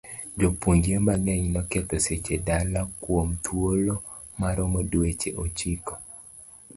Jopuonjre mang'eny noketho seche dala kuom thuolo maromo dweche ochiko.